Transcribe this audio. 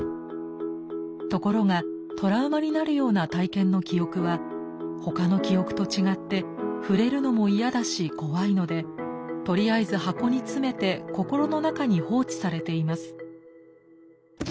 ところがトラウマになるような体験の記憶はほかの記憶と違って触れるのも嫌だし怖いのでとりあえず箱に詰めて心の中に放置されています。